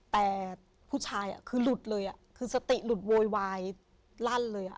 แต่ผู้ชายคือหลุดเลยคือสติหลุดโวยวายลั่นเลย